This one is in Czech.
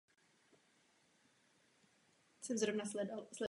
Tyto školy tvoří stabilní jádro účastníků festivalu dodnes.